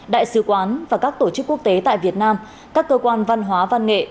đại sứ quán và các tổ chức quốc tế tại việt nam các cơ quan văn hóa văn nghệ